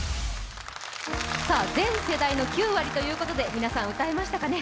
全世代の９割ということで皆さん歌えましたかね。